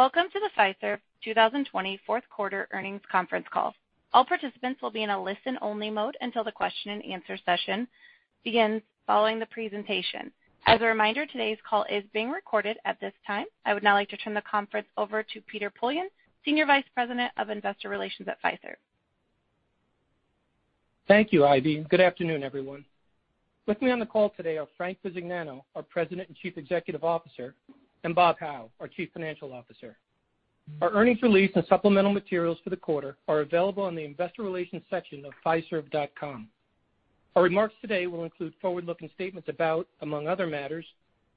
Welcome to the Fiserv 2020 fourth quarter earnings conference call. All participants will be in a listen-only mode until the question-and-answer session begins following the presentation. As a reminder, today's call is being recorded at this time. I would now like to turn the conference over to Peter Poillon, Senior Vice President of Investor Relations at Fiserv. Thank you, Ivy. Good afternoon, everyone. With me on the call today are Frank Bisignano, our President and Chief Executive Officer, and Bob Hau, our Chief Financial Officer. Our earnings release and supplemental materials for the quarter are available on the investor relations section of fiserv.com. Our remarks today will include forward-looking statements about, among other matters,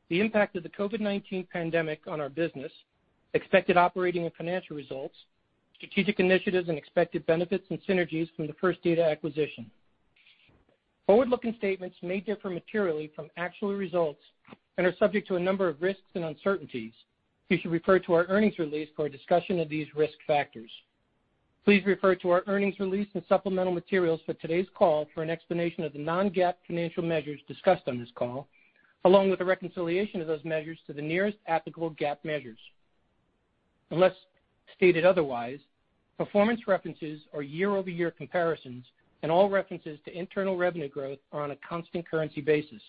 the impact of the COVID-19 pandemic on our business, expected operating and financial results, strategic initiatives, and expected benefits and synergies from the First Data acquisition. Forward-looking statements may differ materially from actual results and are subject to a number of risks and uncertainties. You should refer to our earnings release for a discussion of these risk factors. Please refer to our earnings release and supplemental materials for today's call for an explanation of the non-GAAP financial measures discussed on this call, along with a reconciliation of those measures to the nearest applicable GAAP measures. Unless stated otherwise, performance references are year-over-year comparisons, and all references to internal revenue growth are on a constant currency basis.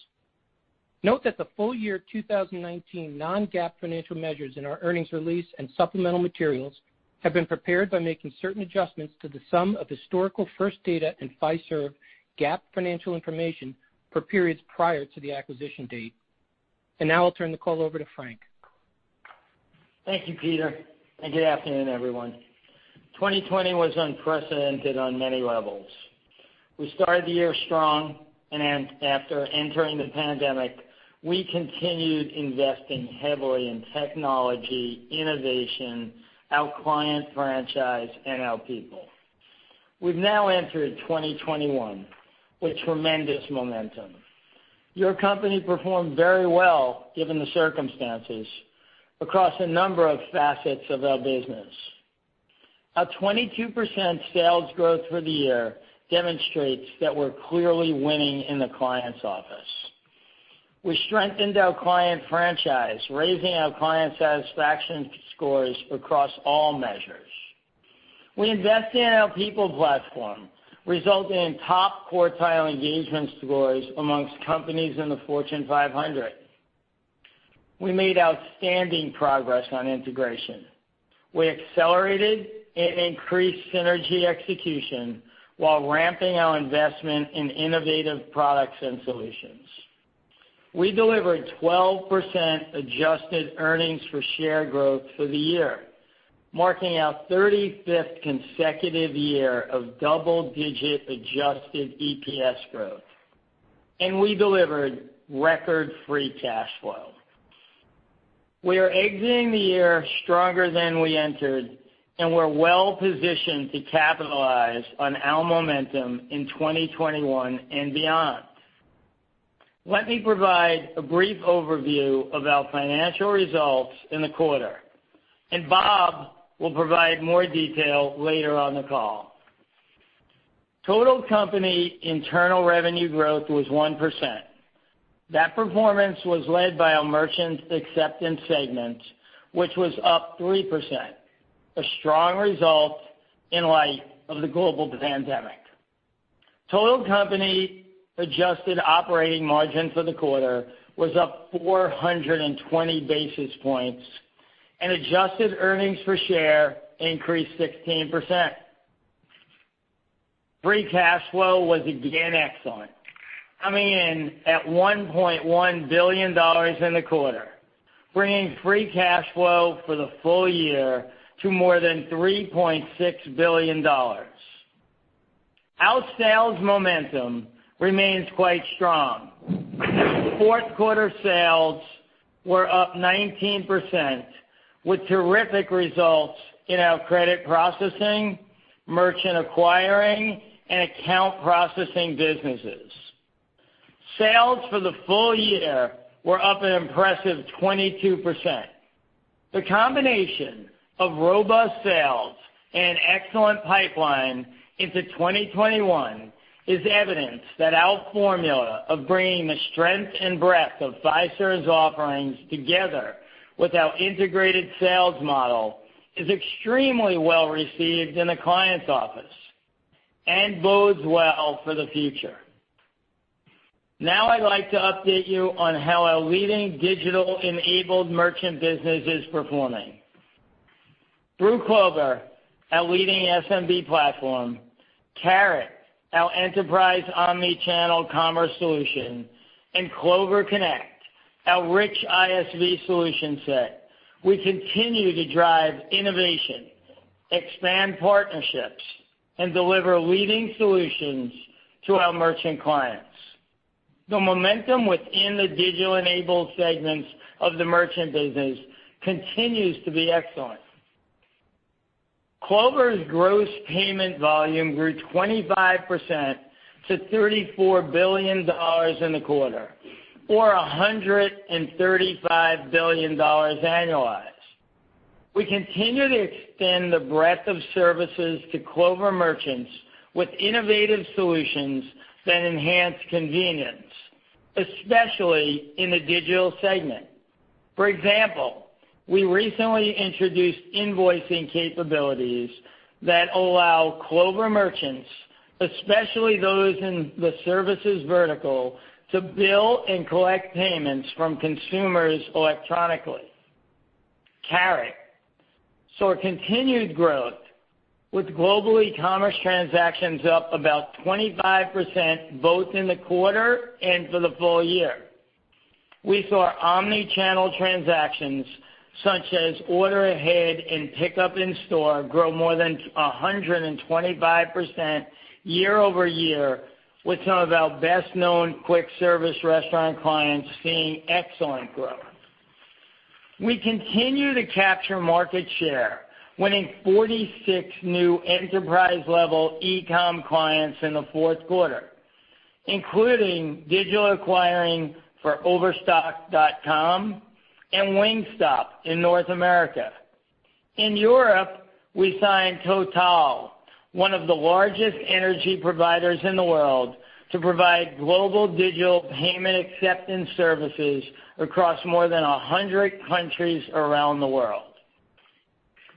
Note that the full-year 2019 non-GAAP financial measures in our earnings release and supplemental materials have been prepared by making certain adjustments to the sum of historical First Data and Fiserv GAAP financial information for periods prior to the acquisition date. Now I'll turn the call over to Frank. Thank you, Peter. Good afternoon, everyone. 2020 was unprecedented on many levels. We started the year strong. After entering the pandemic, we continued investing heavily in technology, innovation, our client franchise, and our people. We've now entered 2021 with tremendous momentum. Your company performed very well given the circumstances across a number of facets of our business. Our 22% sales growth for the year demonstrates that we're clearly winning in the client's office. We strengthened our client franchise, raising our client satisfaction scores across all measures. We invested in our people platform, resulting in top-quartile engagement scores amongst companies in the Fortune 500. We made outstanding progress on integration. We accelerated and increased synergy execution while ramping our investment in innovative products and solutions. We delivered 12% adjusted earnings per share growth for the year, marking our 35th consecutive year of double-digit adjusted EPS growth. We delivered record free cash flow. We are exiting the year stronger than we entered, and we're well-positioned to capitalize on our momentum in 2021 and beyond. Let me provide a brief overview of our financial results in the quarter, and Bob will provide more detail later on the call. Total company internal revenue growth was 1%. That performance was led by our merchant acceptance segment, which was up 3%, a strong result in light of the global pandemic. Total company adjusted operating margin for the quarter was up 420 basis points, and adjusted earnings per share increased 16%. Free cash flow was again excellent, coming in at $1.1 billion in the quarter, bringing free cash flow for the full year to more than $3.6 billion. Our sales momentum remains quite strong. Fourth quarter sales were up 19%, with terrific results in our credit processing, merchant acquiring, and account processing businesses. Sales for the full year were up an impressive 22%. The combination of robust sales and excellent pipeline into 2021 is evidence that our formula of bringing the strength and breadth of Fiserv's offerings together with our integrated sales model is extremely well-received in the client's office and bodes well for the future. Now I'd like to update you on how our leading digital-enabled merchant business is performing. Through Clover, our leading SMB platform, Carat, our enterprise omni-channel commerce solution, and Clover Connect, our rich ISV solution set, we continue to drive innovation, expand partnerships, and deliver leading solutions to our merchant clients. The momentum within the digital-enabled segments of the merchant business continues to be excellent. Clover's gross payment volume grew 25% to $34 billion in the quarter, or $135 billion annualized. We continue to extend the breadth of services to Clover merchants with innovative solutions that enhance convenience, especially in the digital segment. For example, we recently introduced invoicing capabilities that allow Clover merchants, especially those in the services vertical, to bill and collect payments from consumers electronically. Carat saw continued growth with global e-commerce transactions up about 25% both in the quarter and for the full year. We saw omni-channel transactions such as order ahead and pickup in-store grow more than 125% year-over-year with some of our best-known quick-service restaurant clients seeing excellent growth. We continue to capture market share, winning 46 new enterprise-level e-com clients in the fourth quarter, including digital acquiring for Overstock.com and Wingstop in North America. In Europe, we signed Total, one of the largest energy providers in the world to provide global digital payment acceptance services across more than 100 countries around the world.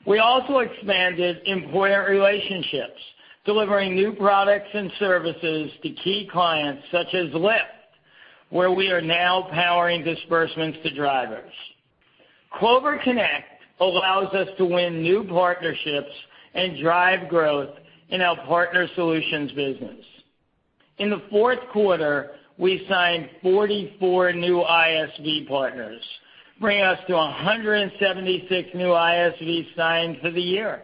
We also expanded employer relationships, delivering new products and services to key clients such as Lyft, where we are now powering disbursements to drivers. Clover Connect allows us to win new partnerships and drive growth in our partner solutions business. In the fourth quarter, we signed 44 new ISV partners, bringing us to 176 new ISV signings for the year.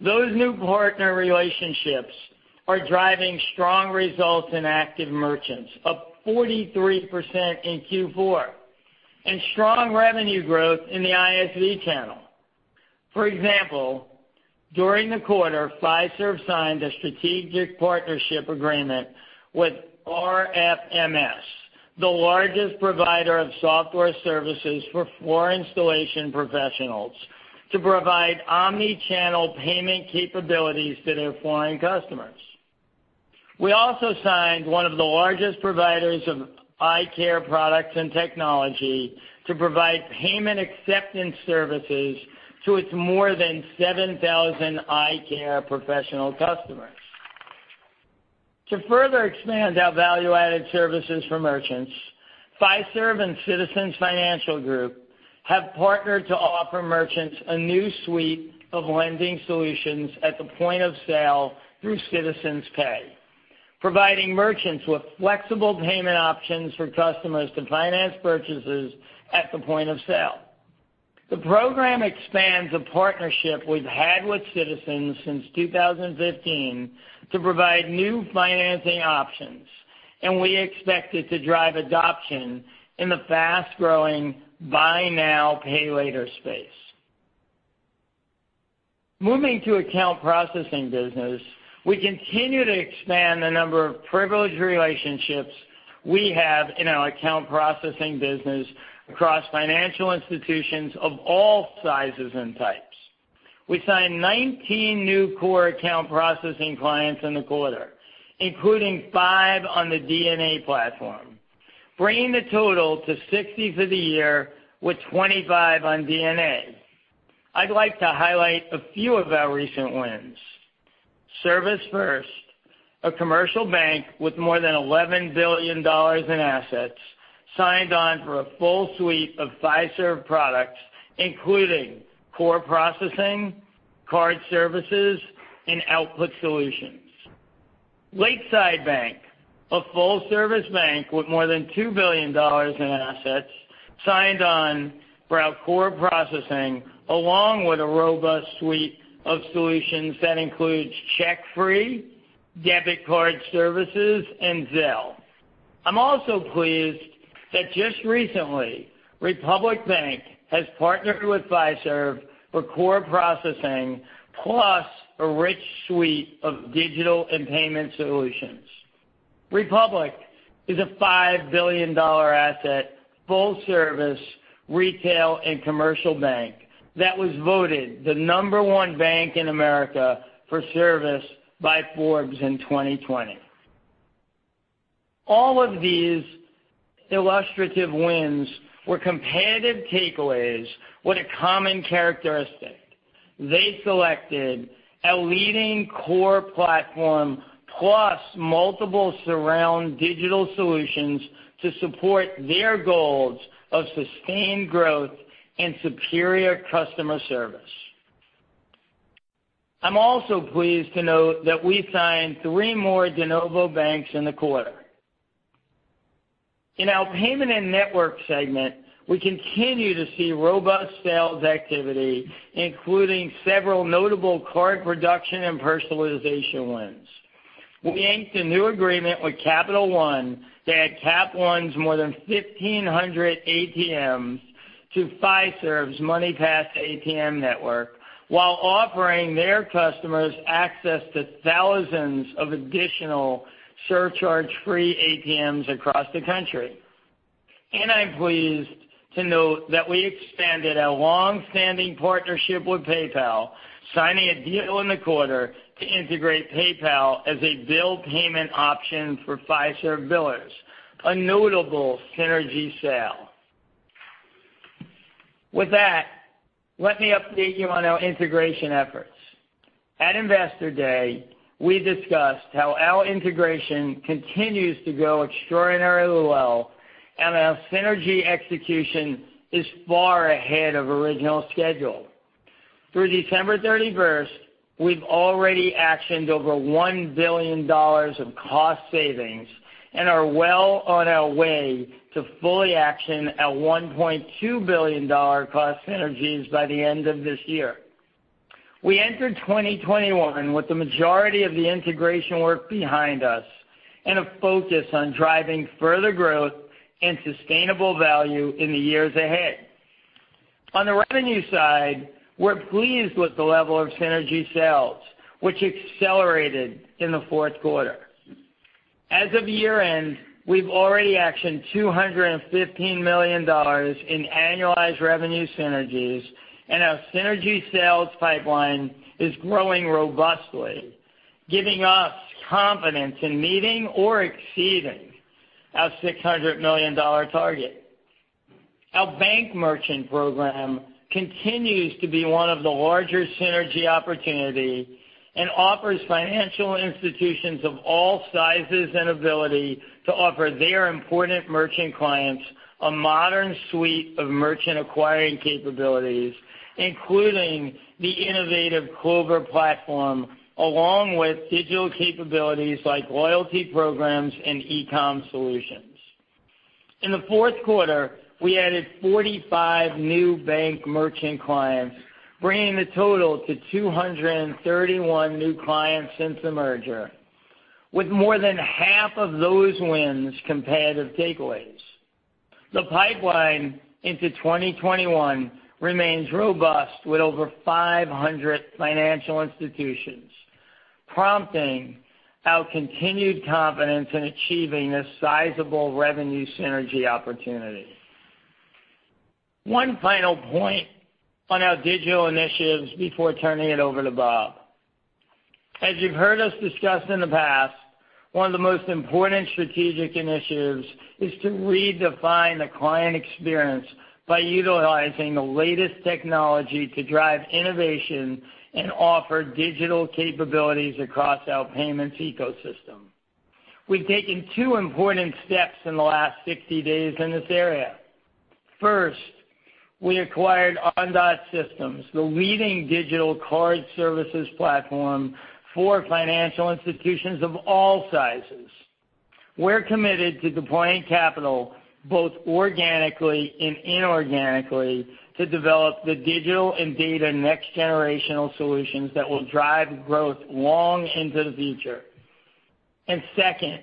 Those new partner relationships are driving strong results in active merchants up 43% in Q4, and strong revenue growth in the ISV channel. For example, during the quarter, Fiserv signed a strategic partnership agreement with RFMS, the largest provider of software services for floor installation professionals to provide omni-channel payment capabilities to their flooring customers. We also signed one of the largest providers of eye care products and technology to provide payment acceptance services to its more than 7,000 eye care professional customers. To further expand our value-added services for merchants, Fiserv and Citizens Financial Group have partnered to offer merchants a new suite of lending solutions at the point of sale through Citizens Pay. Providing merchants with flexible payment options for customers to finance purchases at the point of sale. We expect it to drive adoption in the fast-growing buy now, pay later space. Moving to account processing business, we continue to expand the number of privileged relationships we have in our account processing business across financial institutions of all sizes and types. We signed 19 new core account processing clients in the quarter, including five on the DNA platform, bringing the total to 60 for the year with 25 on DNA. I'd like to highlight a few of our recent wins. ServisFirst, a commercial bank with more than $11 billion in assets, signed on for a full suite of Fiserv products, including core processing, card services, and output solutions. Lakeside Bank, a full-service bank with more than $2 billion in assets, signed on for our core processing along with a robust suite of solutions that includes CheckFree, debit card services, and Zelle. I'm also pleased that just recently, Republic Bank has partnered with Fiserv for core processing, plus a rich suite of digital and payment solutions. Republic is a $5 billion asset, full-service retail and commercial bank that was voted the number one bank in America for service by Forbes in 2020. All of these illustrative wins were competitive takeaways with a common characteristic. They selected a leading core platform plus multiple surround digital solutions to support their goals of sustained growth and superior customer service. I'm also pleased to note that we signed three more de novo banks in the quarter. In our payment and network segment, we continue to see robust sales activity, including several notable card production and personalization wins. We inked a new agreement with Capital One to add Cap One's more than 1,500 ATMs to Fiserv's MoneyPass ATM network while offering their customers access to thousands of additional surcharge-free ATMs across the country. I'm pleased to note that we expanded our long-standing partnership with PayPal, signing a deal in the quarter to integrate PayPal as a bill payment option for Fiserv billers, a notable synergy sale. With that, let me update you on our integration efforts. At Investor Day, we discussed how our integration continues to go extraordinarily well, and our synergy execution is far ahead of original schedule. Through December 31st, we've already actioned over $1 billion of cost savings and are well on our way to fully action our $1.2 billion cost synergies by the end of this year. We entered 2021 with the majority of the integration work behind us and a focus on driving further growth and sustainable value in the years ahead. On the revenue side, we're pleased with the level of synergy sales, which accelerated in the fourth quarter. As of year-end, we've already actioned $215 million in annualized revenue synergies. Our synergy sales pipeline is growing robustly, giving us confidence in meeting or exceeding our $600 million target. Our bank merchant program continues to be one of the larger synergy opportunities and offers financial institutions of all sizes an ability to offer their important merchant clients a modern suite of merchant acquiring capabilities, including the innovative Clover platform, along with digital capabilities like loyalty programs and e-com solutions. In the fourth quarter, we added 45 new bank merchant clients, bringing the total to 231 new clients since the merger, with more than half of those wins competitive takeaways. The pipeline into 2021 remains robust with over 500 financial institutions, prompting our continued confidence in achieving this sizable revenue synergy opportunity. One final point on our digital initiatives before turning it over to Bob. As you've heard us discuss in the past, one of the most important strategic initiatives is to redefine the client experience by utilizing the latest technology to drive innovation and offer digital capabilities across our payments ecosystem. We've taken two important steps in the last 60 days in this area. First, we acquired Ondot Systems, the leading digital card services platform for financial institutions of all sizes. We're committed to deploying capital both organically and inorganically to develop the digital and data next-generational solutions that will drive growth long into the future. Second,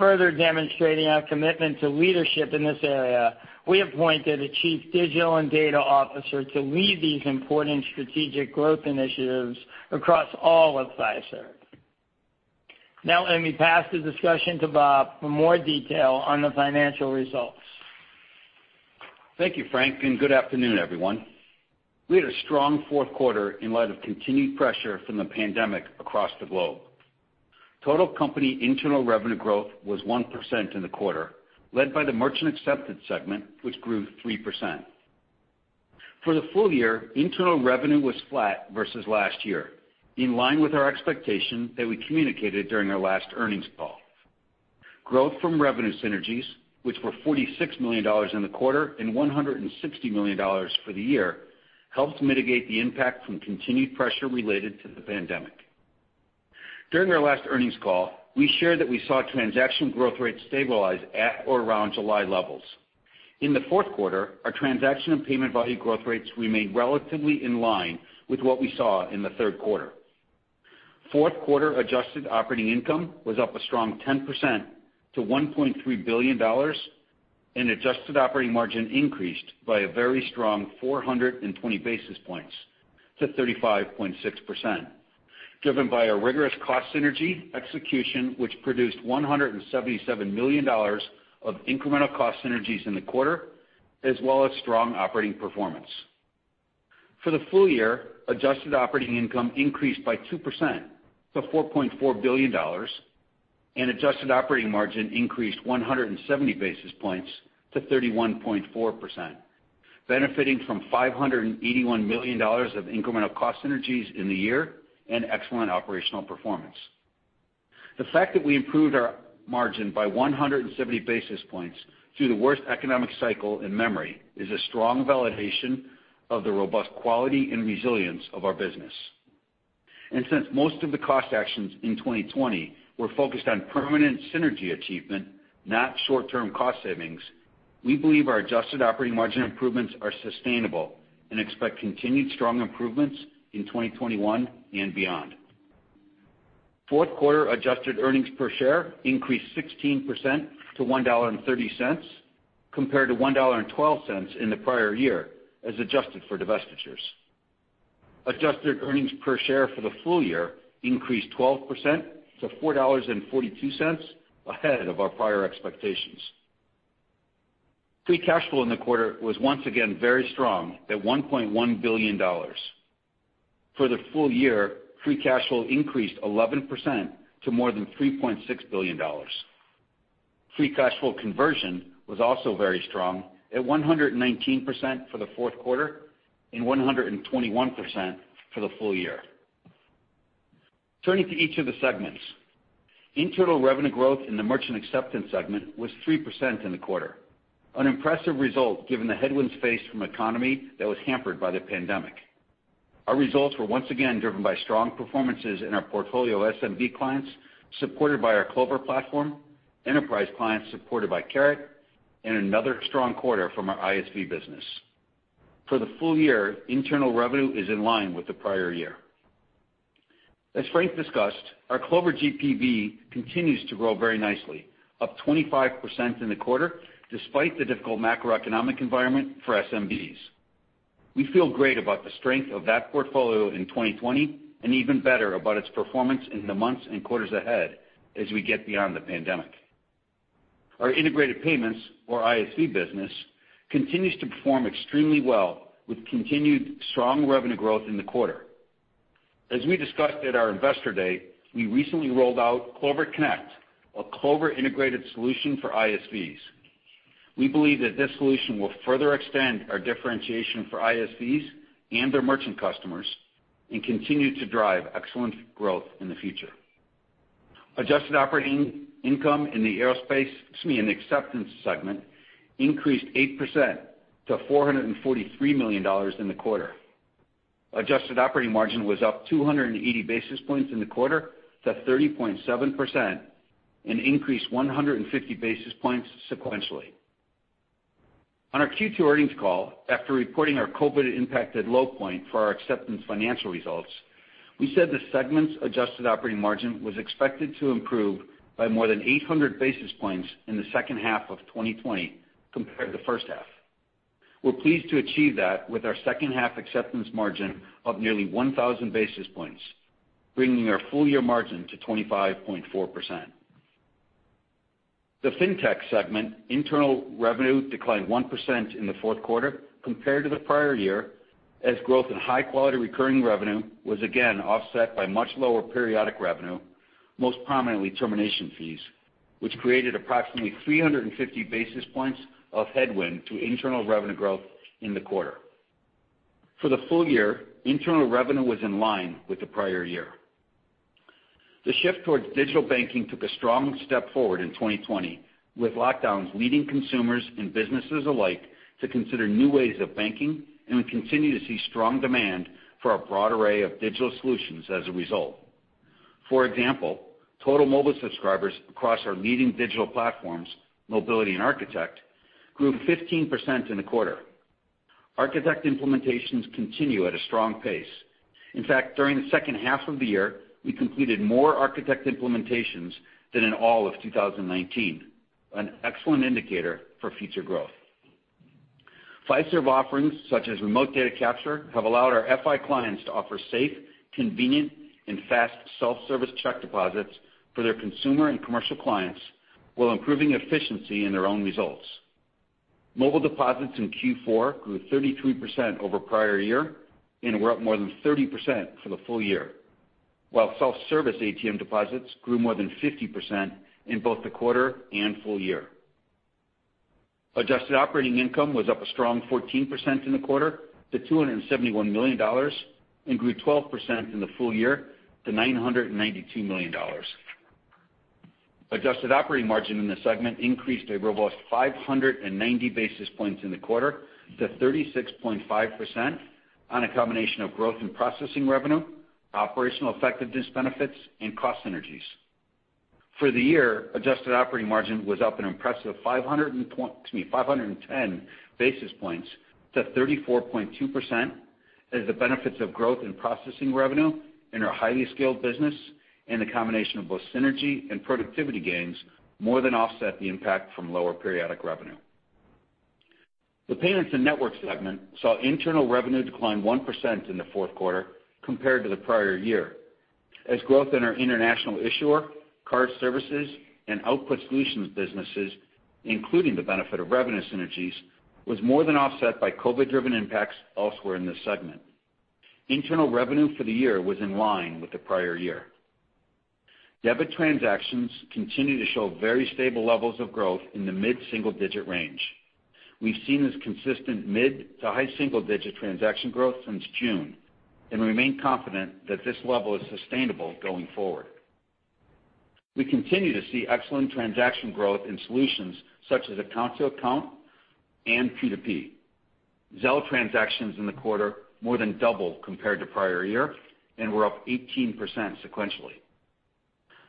further demonstrating our commitment to leadership in this area, we appointed a chief digital and data officer to lead these important strategic growth initiatives across all of Fiserv. Now let me pass the discussion to Bob for more detail on the financial results. Thank you, Frank, and good afternoon, everyone. We had a strong fourth quarter in light of continued pressure from the pandemic across the globe. Total company internal revenue growth was 1% in the quarter, led by the Merchant Acceptance segment, which grew 3%. For the full year, internal revenue was flat versus last year, in line with our expectation that we communicated during our last earnings call. Growth from revenue synergies, which were $46 million in the quarter and $160 million for the year, helped mitigate the impact from continued pressure related to the pandemic. During our last earnings call, we shared that we saw transaction growth rates stabilize at or around July levels. In the fourth quarter, our transaction and payment volume growth rates remained relatively in line with what we saw in the third quarter. Fourth quarter adjusted operating income was up a strong 10% to $1.3 billion, and adjusted operating margin increased by a very strong 420 basis points to 35.6%, driven by a rigorous cost synergy execution, which produced $177 million of incremental cost synergies in the quarter, as well as strong operating performance. For the full year, adjusted operating income increased by 2% to $4.4 billion, and adjusted operating margin increased 170 basis points to 31.4%, benefiting from $581 million of incremental cost synergies in the year and excellent operational performance. The fact that we improved our margin by 170 basis points through the worst economic cycle in memory is a strong validation of the robust quality and resilience of our business. Since most of the cost actions in 2020 were focused on permanent synergy achievement, not short-term cost savings, we believe our adjusted operating margin improvements are sustainable and expect continued strong improvements in 2021 and beyond. Fourth quarter adjusted earnings per share increased 16% to $1.30, compared to $1.12 in the prior year as adjusted for divestitures. Adjusted earnings per share for the full year increased 12% to $4.42, ahead of our prior expectations. Free cash flow in the quarter was once again very strong at $1.1 billion. For the full year, free cash flow increased 11% to more than $3.6 billion. Free cash flow conversion was also very strong at 119% for the fourth quarter and 121% for the full year. Turning to each of the segments. Internal revenue growth in the Merchant Acceptance segment was 3% in the quarter. An impressive result given the headwinds faced from economy that was hampered by the pandemic. Our results were once again driven by strong performances in our portfolio SMB clients, supported by our Clover platform, enterprise clients supported by Carat, and another strong quarter from our ISV business. For the full year, internal revenue is in line with the prior year. As Frank discussed, our Clover GPV continues to grow very nicely, up 25% in the quarter, despite the difficult macroeconomic environment for SMBs. We feel great about the strength of that portfolio in 2020, and even better about its performance in the months and quarters ahead as we get beyond the pandemic. Our integrated payments, or ISV business, continues to perform extremely well, with continued strong revenue growth in the quarter. As we discussed at our investor day, we recently rolled out Clover Connect, a Clover integrated solution for ISVs. We believe that this solution will further extend our differentiation for ISVs and their merchant customers and continue to drive excellent growth in the future. Adjusted operating income in the acceptance segment increased 8% to $443 million in the quarter. Adjusted operating margin was up 280 basis points in the quarter to 30.7%, an increase 150 basis points sequentially. On our Q2 earnings call, after reporting our COVID-impacted low point for our acceptance financial results, we said the segment's adjusted operating margin was expected to improve by more than 800 basis points in the second half of 2020 compared to the first half. We're pleased to achieve that with our second half acceptance margin of nearly 1,000 basis points, bringing our full year margin to 25.4%. The Fintech segment internal revenue declined 1% in the fourth quarter compared to the prior year, as growth in high-quality recurring revenue was again offset by much lower periodic revenue, most prominently termination fees, which created approximately 350 basis points of headwind to internal revenue growth in the quarter. For the full year, internal revenue was in line with the prior year. The shift towards digital banking took a strong step forward in 2020, with lockdowns leading consumers and businesses alike to consider new ways of banking, and we continue to see strong demand for our broad array of digital solutions as a result. For example, total mobile subscribers across our leading digital platforms, Mobiliti and Architect, grew 15% in the quarter. Architect implementations continue at a strong pace. In fact, during the second half of the year, we completed more Architect implementations than in all of 2019, an excellent indicator for future growth. Fiserv offerings such as Remote Deposit Capture have allowed our FI clients to offer safe, convenient and fast self-service check deposits for their consumer and commercial clients while improving efficiency in their own results. Mobile deposits in Q4 grew 33% over prior year and were up more than 30% for the full year. Self-service ATM deposits grew more than 50% in both the quarter and full year. Adjusted operating income was up a strong 14% in the quarter to $271 million and grew 12% in the full year to $992 million. Adjusted operating margin in the segment increased a robust 590 basis points in the quarter to 36.5% on a combination of growth in processing revenue, operational effectiveness benefits and cost synergies. For the year, adjusted operating margin was up an impressive 510 basis points to 34.2% as the benefits of growth in processing revenue in our highly scaled business and the combination of both synergy and productivity gains more than offset the impact from lower periodic revenue. The payments and network segment saw internal revenue decline 1% in the fourth quarter compared to the prior year, as growth in our international issuer, card services, and output solutions businesses, including the benefit of revenue synergies, was more than offset by COVID-driven impacts elsewhere in this segment. Internal revenue for the year was in line with the prior year. Debit transactions continue to show very stable levels of growth in the mid-single-digit range. We've seen this consistent mid to high single-digit transaction growth since June, and remain confident that this level is sustainable going forward. We continue to see excellent transaction growth in solutions such as account to account and P2P. Zelle transactions in the quarter more than doubled compared to prior year and were up 18% sequentially.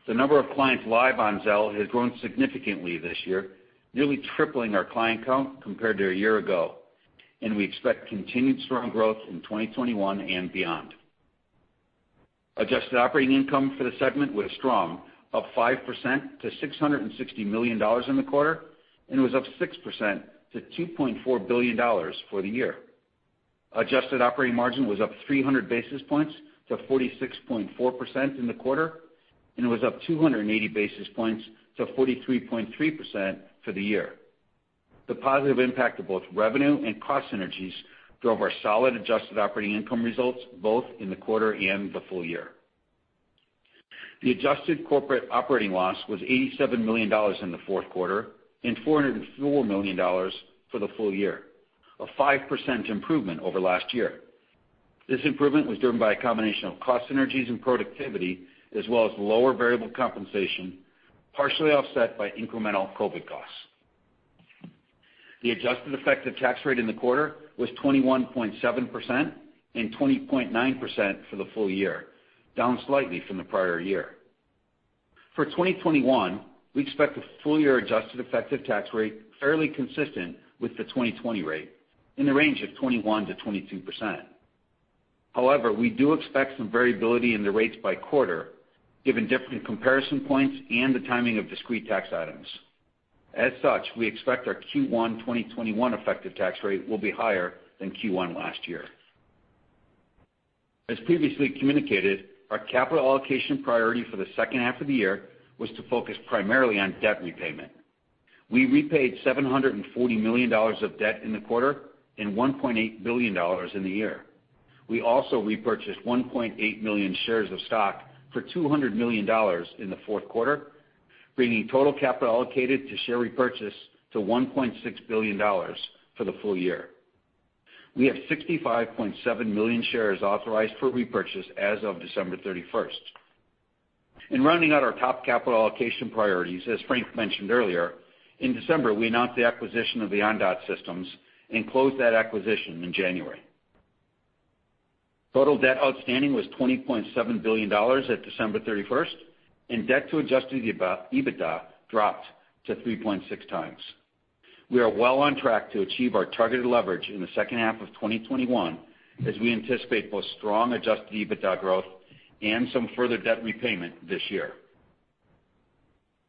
The number of clients live on Zelle has grown significantly this year, nearly tripling our client count compared to a year ago, and we expect continued strong growth in 2021 and beyond. Adjusted operating income for the segment was strong, up 5% to $660 million in the quarter, and was up 6% to $2.4 billion for the year. Adjusted operating margin was up 300 basis points to 46.4% in the quarter, and was up 280 basis points to 43.3% for the year. The positive impact of both revenue and cost synergies drove our solid adjusted operating income results, both in the quarter and the full year. The adjusted corporate operating loss was $87 million in the fourth quarter, and $404 million for the full year, a 5% improvement over last year. This improvement was driven by a combination of cost synergies and productivity, as well as lower variable compensation, partially offset by incremental COVID costs. The adjusted effective tax rate in the quarter was 21.7% and 20.9% for the full year, down slightly from the prior year. For 2021, we expect the full-year adjusted effective tax rate fairly consistent with the 2020 rate, in the range of 21%-22%. We do expect some variability in the rates by quarter, given different comparison points and the timing of discrete tax items. We expect our Q1 2021 effective tax rate will be higher than Q1 last year. As previously communicated, our capital allocation priority for the second half of the year was to focus primarily on debt repayment. We repaid $740 million of debt in the quarter and $1.8 billion in the year. We also repurchased 1.8 million shares of stock for $200 million in the fourth quarter, bringing total capital allocated to share repurchase to $1.6 billion for the full year. We have 65.7 million shares authorized for repurchase as of December 31st. In rounding out our top capital allocation priorities, as Frank mentioned earlier, in December, we announced the acquisition of the Ondot Systems and closed that acquisition in January. Total debt outstanding was $20.7 billion at December 31st, and debt to adjusted EBITDA dropped to 3.6x. We are well on track to achieve our targeted leverage in the second half of 2021, as we anticipate both strong adjusted EBITDA growth and some further debt repayment this year.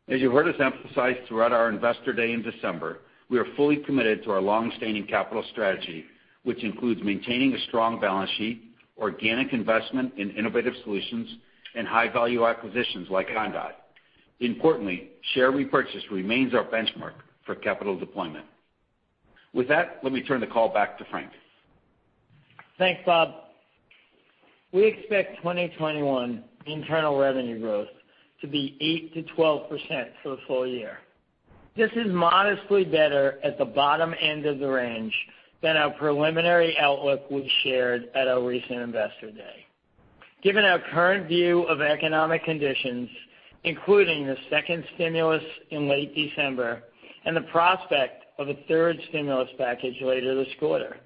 As you heard us emphasize throughout our Investor Day in December, we are fully committed to our long-standing capital strategy, which includes maintaining a strong balance sheet, organic investment in innovative solutions, and high-value acquisitions like Ondot. Importantly, share repurchase remains our benchmark for capital deployment. With that, let me turn the call back to Frank. Thanks, Bob. We expect 2021 internal revenue growth to be 8%-12% for the full year. This is modestly better at the bottom end of the range than our preliminary outlook we shared at our recent Investor Day. Given our current view of economic conditions, including the second stimulus in late December and the prospect of a third stimulus package later this quarter,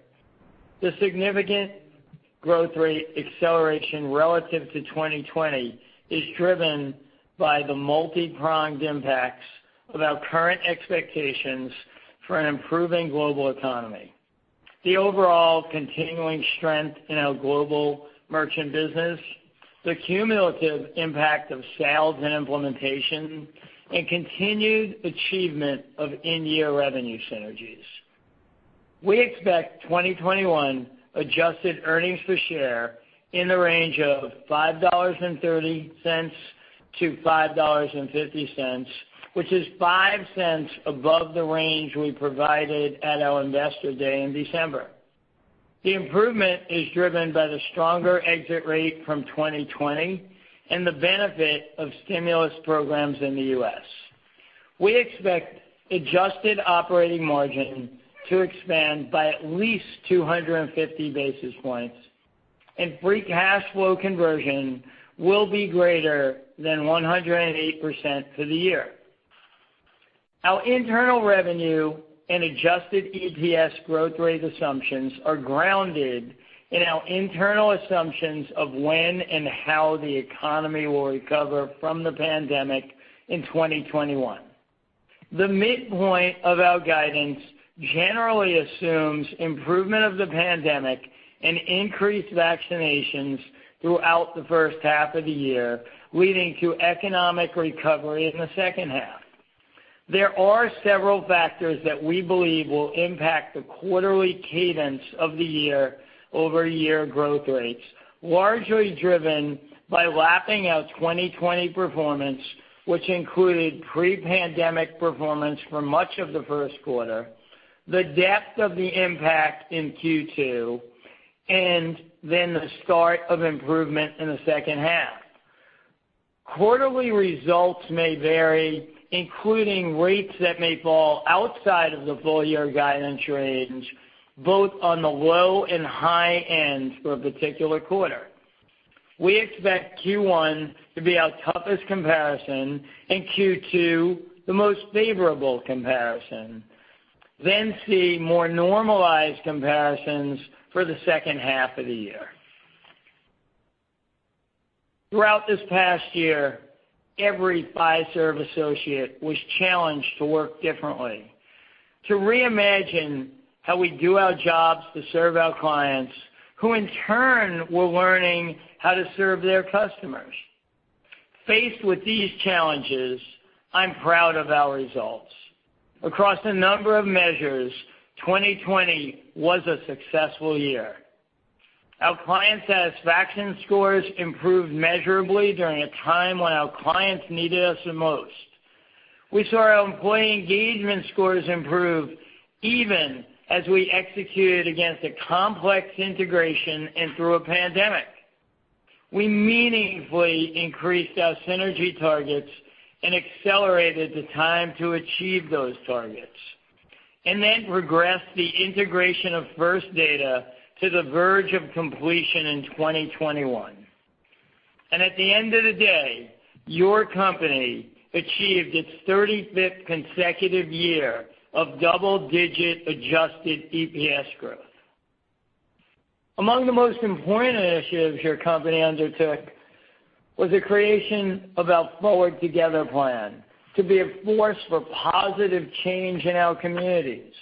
the significant growth rate acceleration relative to 2020 is driven by the multi-pronged impacts of our current expectations for an improving global economy, the overall continuing strength in our global merchant business, the cumulative impact of sales and implementation, and continued achievement of in-year revenue synergies. We expect 2021 adjusted earnings per share in the range of $5.30-$5.50, which is $0.05 above the range we provided at our Investor Day in December. The improvement is driven by the stronger exit rate from 2020 and the benefit of stimulus programs in the U.S. We expect adjusted operating margin to expand by at least 250 basis points, and free cash flow conversion will be greater than 108% for the year. Our internal revenue and adjusted EPS growth rate assumptions are grounded in our internal assumptions of when and how the economy will recover from the pandemic in 2021. The midpoint of our guidance generally assumes improvement of the pandemic and increased vaccinations throughout the first half of the year, leading to economic recovery in the second half. There are several factors that we believe will impact the quarterly cadence of the year-over-year growth rates, largely driven by lapping our 2020 performance, which included pre-pandemic performance for much of the first quarter, the depth of the impact in Q2, and then the start of improvement in the second half. Quarterly results may vary, including rates that may fall outside of the full-year guidance range, both on the low and high ends for a particular quarter. We expect Q1 to be our toughest comparison and Q2 the most favorable comparison, then see more normalized comparisons for the second half of the year. Throughout this past year, every Fiserv associate was challenged to work differently, to reimagine how we do our jobs to serve our clients, who in turn were learning how to serve their customers. Faced with these challenges, I'm proud of our results. Across a number of measures, 2020 was a successful year. Our client satisfaction scores improved measurably during a time when our clients needed us the most. We saw our employee engagement scores improve even as we executed against a complex integration and through a pandemic. We meaningfully increased our synergy targets and accelerated the time to achieve those targets, and then progressed the integration of First Data to the verge of completion in 2021. At the end of the day, your company achieved its 35th consecutive year of double-digit adjusted EPS growth. Among the most important initiatives your company undertook was the creation of our Forward Together plan to be a force for positive change in our communities.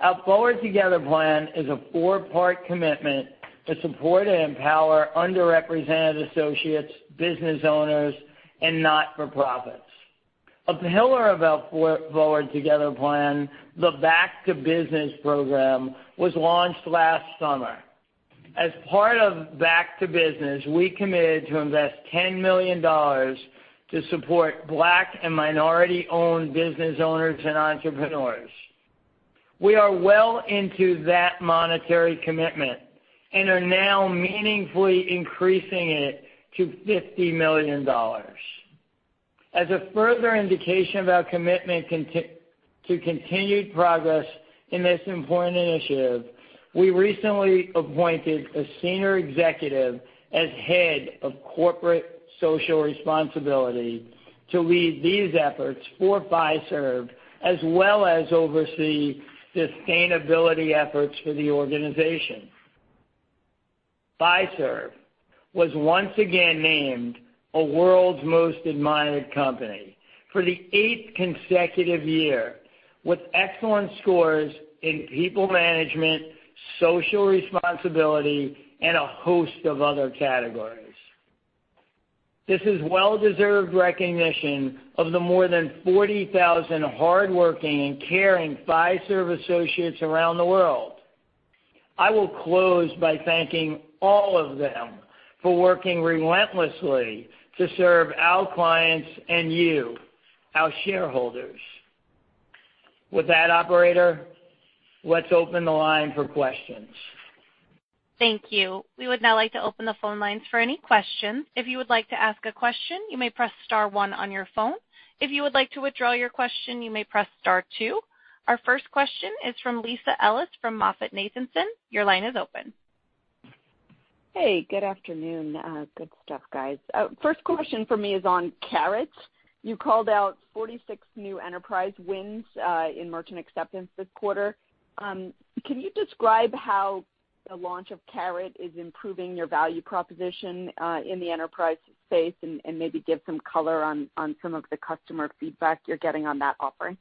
Our Forward Together plan is a four-part commitment to support and empower underrepresented associates, business owners, and not-for-profits. A pillar of our Forward Together plan, the Back2Business program, was launched last summer. As part of Back2Business, we committed to invest $10 million to support Black and minority-owned business owners and entrepreneurs. We are well into that monetary commitment and are now meaningfully increasing it to $50 million. As a further indication of our commitment to continued progress in this important initiative, we recently appointed a senior executive as head of corporate social responsibility to lead these efforts for Fiserv, as well as oversee sustainability efforts for the organization. Fiserv was once again named a world's most admired company for the eighth consecutive year, with excellent scores in people management, social responsibility, and a host of other categories. This is well-deserved recognition of the more than 40,000 hardworking and caring Fiserv associates around the world. I will close by thanking all of them for working relentlessly to serve our clients and you, our shareholders. With that, operator, let's open the line for questions. Thank you. We would now like to open the phone lines for any questions. If you would like to ask a question, you may press star one on your phone. If you would like to withdraw your question, you may press star two. Our first question is from Lisa Ellis from MoffettNathanson. Your line is open. Hey, good afternoon. Good stuff, guys. First question from me is on Carat. You called out 46 new enterprise wins in merchant acceptance this quarter. Can you describe how the launch of Carat is improving your value proposition in the enterprise space and maybe give some color on some of the customer feedback you're getting on that offering?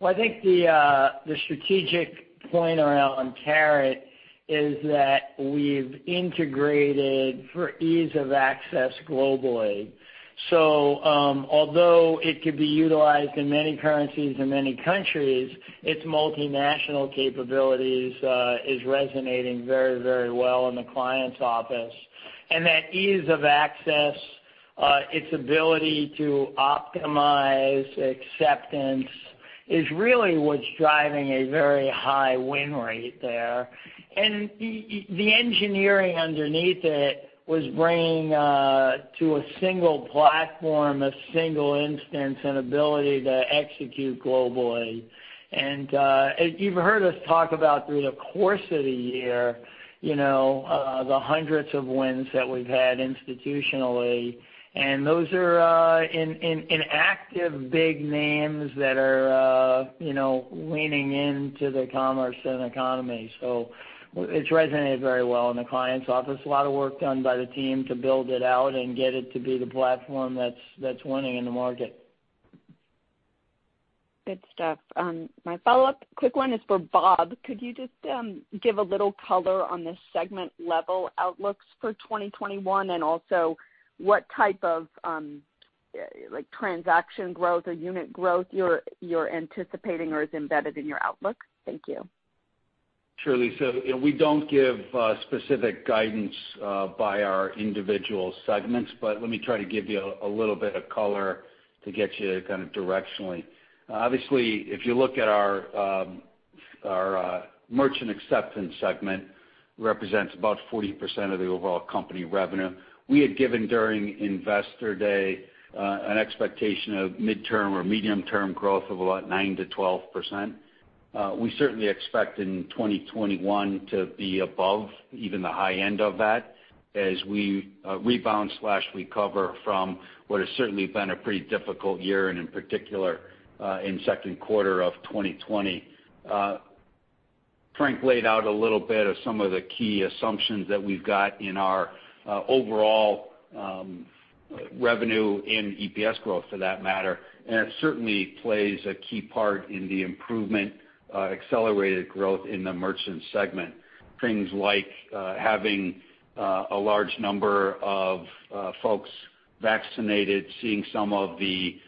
Well, I think the strategic point around Carat is that we've integrated for ease of access globally. Although it could be utilized in many currencies in many countries, its multinational capabilities is resonating very well in the client's office. That ease of access, its ability to optimize acceptance is really what's driving a very high win rate there. The engineering underneath it was bringing to a single platform, a single instance, an ability to execute globally. You've heard us talk about through the course of the year, the hundreds of wins that we've had institutionally, and those are in active big names that are leaning into the commerce and economy. It's resonated very well in the client's office. A lot of work done by the team to build it out and get it to be the platform that's winning in the market. Good stuff. My follow-up quick one is for Bob. Could you just give a little color on the segment-level outlooks for 2021, and also what type of transaction growth or unit growth you're anticipating or is embedded in your outlook? Thank you. Sure, Lisa. We don't give specific guidance by our individual segments. Let me try to give you a little bit of color to get you kind of directionally. Obviously, if you look at our merchant acceptance segment, it represents about 40% of the overall company revenue. We had given during Investor Day an expectation of midterm or medium-term growth of about 9%-12%. We certainly expect in 2021 to be above even the high end of that as we rebound/recover from what has certainly been a pretty difficult year, and in particular in second quarter of 2020. Frank laid out a little bit of some of the key assumptions that we've got in our overall revenue and EPS growth for that matter. It certainly plays a key part in the improvement, accelerated growth in the merchant segment. Things like having a large number of folks vaccinated, seeing some of the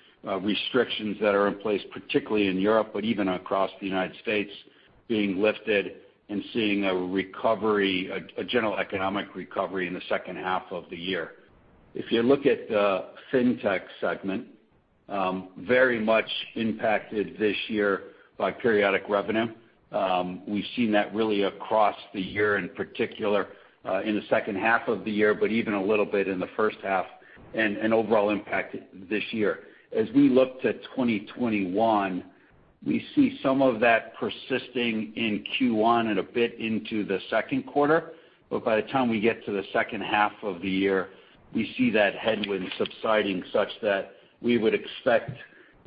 restrictions that are in place, particularly in Europe, but even across the U.S. being lifted and seeing a general economic recovery in the second half of the year. If you look at the Fintech segment, very much impacted this year by periodic revenue. We've seen that really across the year, in particular, in the second half of the year, but even a little bit in the first half and an overall impact this year. As we look to 2021, we see some of that persisting in Q1 and a bit into the second quarter. By the time we get to the second half of the year, we see that headwind subsiding such that we would expect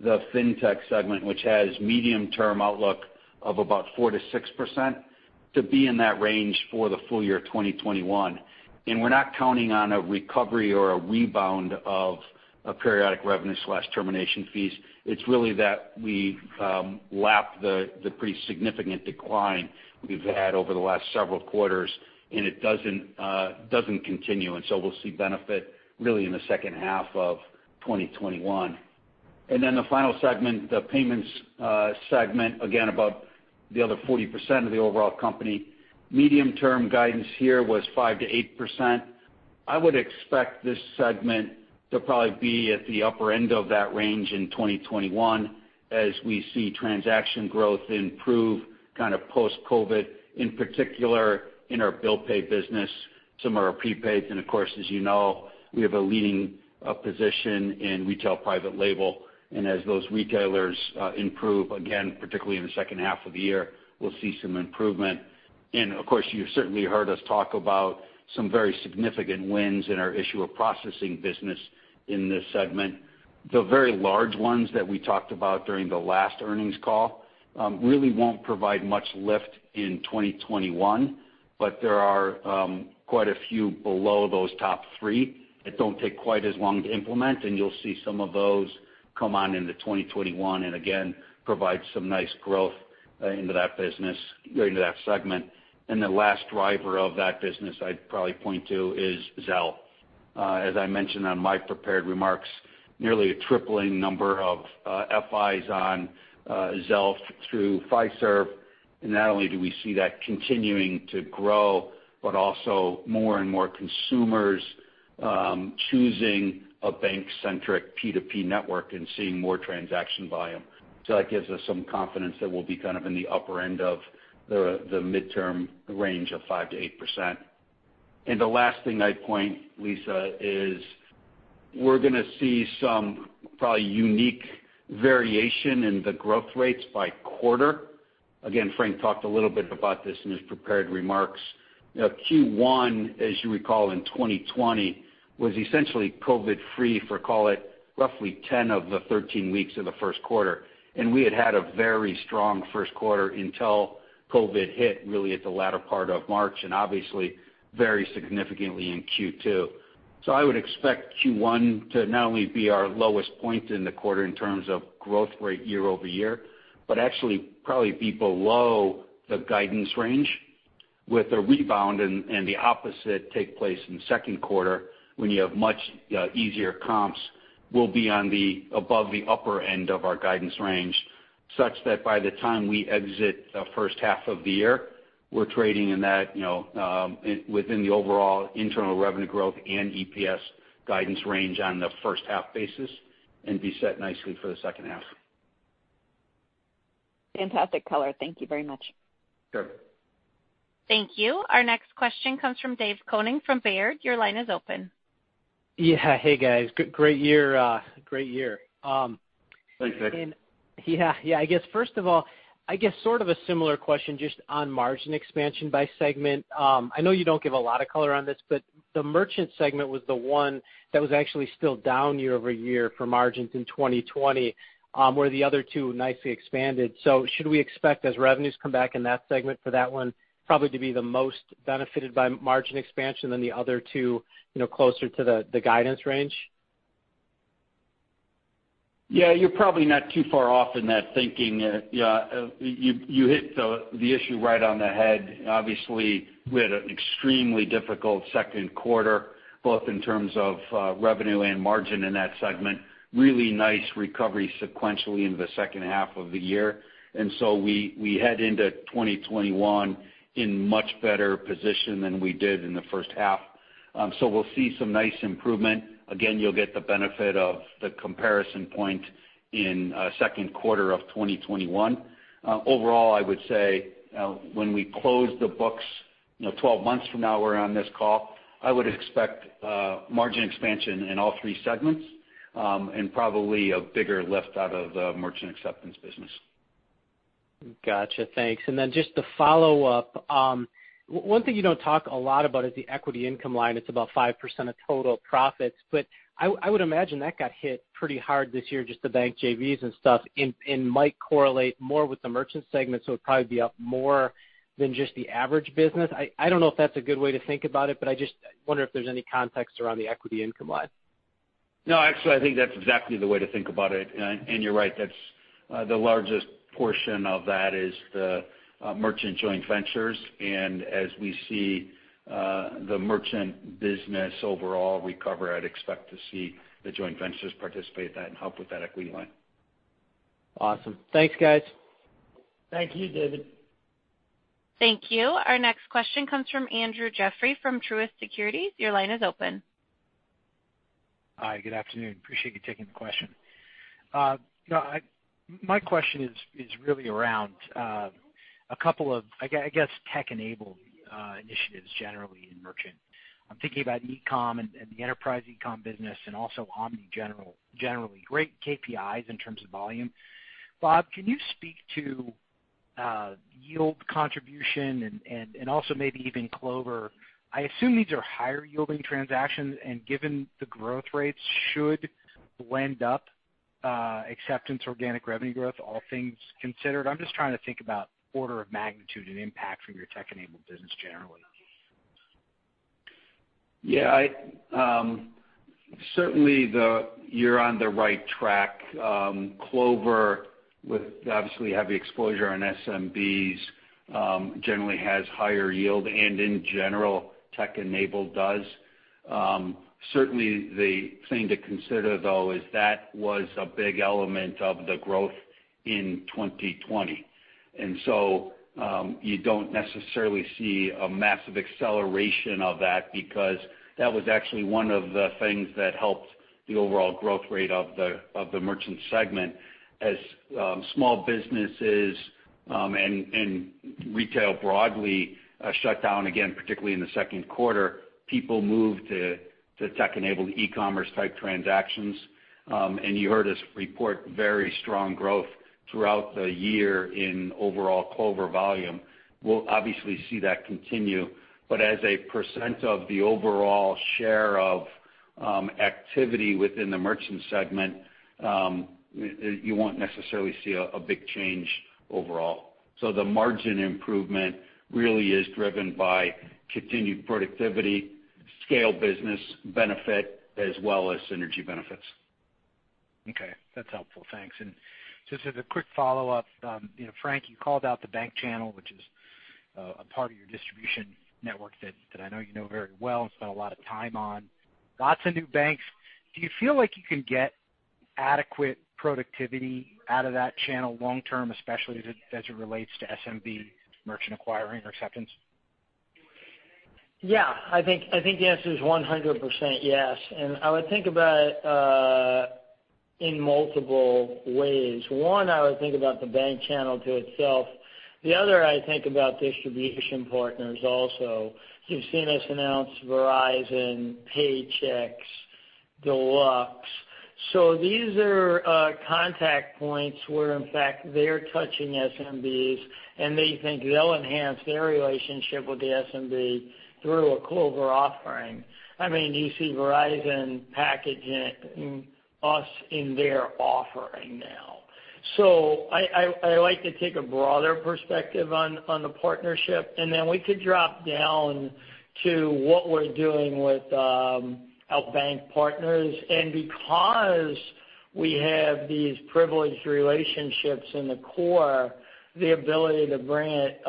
the Fintech segment, which has medium-term outlook of about 4%-6%, to be in that range for the full year 2021. We're not counting on a recovery or a rebound of periodic revenue/termination fees. It's really that we lap the pretty significant decline we've had over the last several quarters and it doesn't continue, so we'll see benefit really in the second half of 2021. Then the final segment, the payments segment, again, about the other 40% of the overall company. Medium-term guidance here was 5%-8%. I would expect this segment to probably be at the upper end of that range in 2021 as we see transaction growth improve post-COVID, in particular in our bill pay business, some of our prepaid, and of course, as you know, we have a leading position in retail private label. As those retailers improve, again, particularly in the second half of the year, we'll see some improvement. Of course, you've certainly heard us talk about some very significant wins in our issuer processing business in this segment. The very large ones that we talked about during the last earnings call, really won't provide much lift in 2021, but there are quite a few below those top three that don't take quite as long to implement, and you'll see some of those come on into 2021 and again, provide some nice growth into that segment. The last driver of that business I'd probably point to is Zelle. As I mentioned on my prepared remarks, nearly a tripling number of FIs on Zelle through Fiserv. Not only do we see that continuing to grow, but also more and more consumers choosing a bank-centric P2P network and seeing more transaction volume. That gives us some confidence that we'll be kind of in the upper end of the midterm range of 5%-8%. The last thing I'd point, Lisa, is we're going to see some probably unique variation in the growth rates by quarter. Again, Frank talked a little bit about this in his prepared remarks. Q1, as you recall, in 2020, was essentially COVID free for, call it, roughly 10 of the 13 weeks of the first quarter. We had had a very strong first quarter until COVID-19 hit really at the latter part of March, and obviously very significantly in Q2. I would expect Q1 to not only be our lowest point in the quarter in terms of growth rate year-over-year, but actually probably be below the guidance range with a rebound and the opposite take place in the second quarter when you have much easier comps. We'll be above the upper end of our guidance range, such that by the time we exit the first half of the year, we're trading within the overall internal revenue growth and EPS guidance range on the first half basis and be set nicely for the second half. Fantastic color. Thank you very much. Sure. Thank you. Our next question comes from Dave Koning from Baird. Your line is open. Yeah. Hey, guys. Great year. Thanks, Dave. Yeah. I guess first of all, sort of a similar question just on margin expansion by segment. I know you don't give a lot of color on this, but the merchant segment was the one that was actually still down year-over-year for margins in 2020, where the other two nicely expanded. Should we expect as revenues come back in that segment for that one probably to be the most benefited by margin expansion than the other two closer to the guidance range? Yeah, you're probably not too far off in that thinking. You hit the issue right on the head. Obviously, we had an extremely difficult second quarter, both in terms of revenue and margin in that segment. Really nice recovery sequentially in the second half of the year. We head into 2021 in much better position than we did in the first half. We'll see some nice improvement. Again, you'll get the benefit of the comparison point in second quarter of 2021. Overall, I would say when we close the books 12 months from now, we're on this call, I would expect margin expansion in all three segments, and probably a bigger lift out of the merchant acceptance business. Got you. Thanks. Just to follow up, one thing you don't talk a lot about is the equity income line. It's about 5% of total profits. I would imagine that got hit pretty hard this year, just the bank JVs and stuff, and might correlate more with the merchant segment, so it'd probably be up more than just the average business. I don't know if that's a good way to think about it, I just wonder if there's any context around the equity income line. No, actually, I think that's exactly the way to think about it. You're right. The largest portion of that is the merchant joint ventures. As we see the merchant business overall recover, I'd expect to see the joint ventures participate in that and help with that equity line. Awesome. Thanks, guys. Thank you, David. Thank you. Our next question comes from Andrew Jeffrey from Truist Securities. Your line is open. Hi, good afternoon. Appreciate you taking the question. My question is really around a couple of, I guess, tech-enabled initiatives generally in merchant. I'm thinking about e-com and the enterprise e-com business and also omni generally. Great KPIs in terms of volume. Bob, can you speak to yield contribution and also maybe even Clover? I assume these are higher-yielding transactions, and given the growth rates should blend up acceptance, organic revenue growth, all things considered. I'm just trying to think about order of magnitude and impact from your tech-enabled business generally. Yeah. Certainly, you're on the right track. Clover, with obviously heavy exposure on SMBs, generally has higher yield, and in general, tech-enabled does. Certainly, the thing to consider though is that was a big element of the growth in 2020. You don't necessarily see a massive acceleration of that because that was actually one of the things that helped the overall growth rate of the merchant segment. As small businesses and retail broadly shut down again, particularly in the second quarter, people moved to tech-enabled e-commerce type transactions. You heard us report very strong growth throughout the year in overall Clover volume. We'll obviously see that continue. As a percent of the overall share of activity within the merchant segment, you won't necessarily see a big change overall. The margin improvement really is driven by continued productivity, scale business benefit, as well as synergy benefits. Okay. That's helpful. Thanks. Just as a quick follow-up, Frank, you called out the bank channel, which is a part of your distribution network that I know you know very well and spent a lot of time on. Lots of new banks. Do you feel like you can get adequate productivity out of that channel long term, especially as it relates to SMB merchant acquiring or acceptance? Yeah, I think the answer is 100% yes. I would think about in multiple ways. One, I would think about the bank channel to itself. The other, I think about distribution partners also. You've seen us announce Verizon, Paychex, Deluxe. These are contact points where in fact, they're touching SMBs and they think they'll enhance their relationship with the SMB through a Clover offering. You see Verizon packaging us in their offering now. I like to take a broader perspective on the partnership, and then we could drop down to what we're doing with our bank partners. Because we have these privileged relationships in the core, the ability to bring it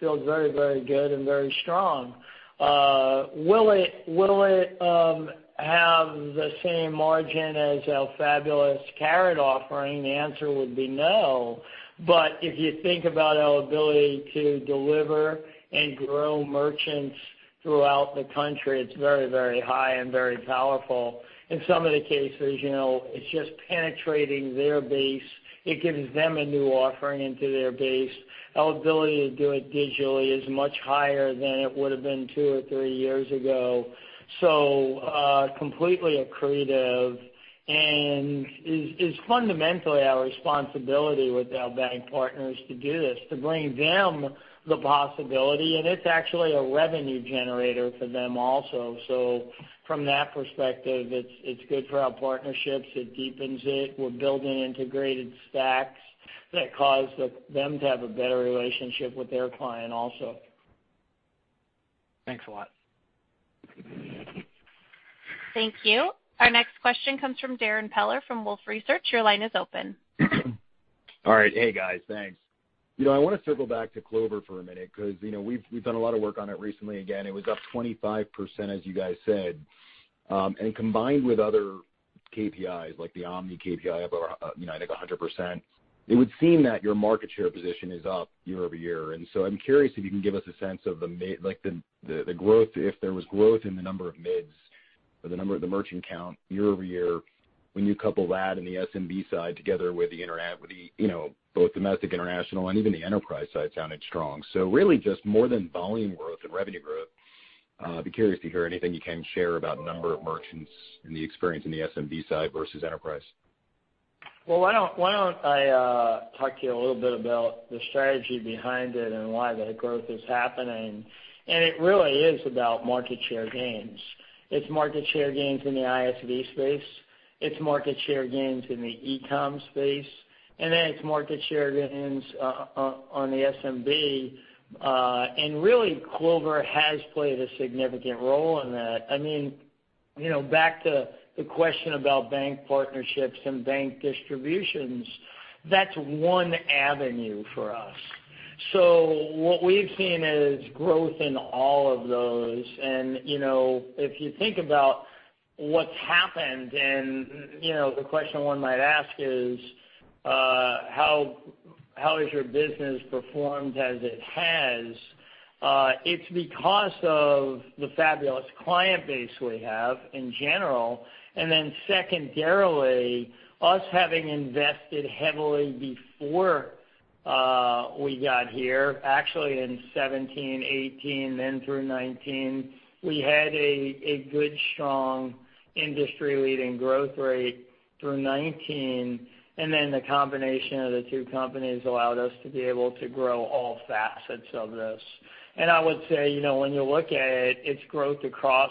feels very good and very strong. Will it have the same margin as our fabulous Carat offering? The answer would be no. If you think about our ability to deliver and grow merchants throughout the country, it's very high and very powerful. In some of the cases, it's just penetrating their base. It gives them a new offering into their base. Our ability to do it digitally is much higher than it would've been two or three years ago. Completely accretive and is fundamentally our responsibility with our bank partners to do this, to bring them the possibility. It's actually a revenue generator for them also. From that perspective, it's good for our partnerships. It deepens it. We're building integrated stacks that cause them to have a better relationship with their client also. Thanks a lot. Thank you. Our next question comes from Darrin Peller from Wolfe Research. Your line is open. All right. Hey, guys. Thanks. I want to circle back to Clover for a minute because we've done a lot of work on it recently. Again, it was up 25%, as you guys said. Combined with other KPIs like the omni-channel KPI up, I think, 100%, it would seem that your market share position is up year-over-year. I'm curious if you can give us a sense of if there was growth in the number of MIDs or the number of the merchant count year-over-year. When you couple that and the SMB side together with both domestic, international, and even the enterprise side sounded strong. Really just more than volume growth and revenue growth, I'd be curious to hear anything you can share about number of merchants and the experience in the SMB side versus enterprise. Well, why don't I talk to you a little bit about the strategy behind it and why the growth is happening. It really is about market share gains. It's market share gains in the ISV space, it's market share gains in the e-com space, and then it's market share gains on the SMB. Really, Clover has played a significant role in that. Back to the question about bank partnerships and bank distributions, that's one avenue for us. What we've seen is growth in all of those. If you think about what's happened and the question one might ask is, how has your business performed as it has? It's because of the fabulous client base we have in general, and then secondarily, us having invested heavily before we got here, actually in 2017, 2018, then through 2019. We had a good, strong, industry-leading growth rate through 2019, and then the combination of the two companies allowed us to be able to grow all facets of this. I would say, when you look at it's growth across